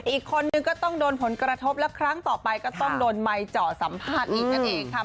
อีกคนนึงก็ต้องโดนผลกระทบและครั้งต่อไปก็ต้องโดนไมค์เจาะสัมภาษณ์อีกนั่นเองค่ะ